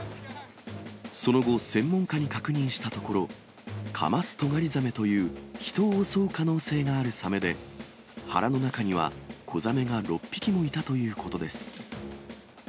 その後、専門家に確認したところ、カマストガリザメという人を襲う可能性があるサメで、腹の中には子ザメが６匹もいたということです。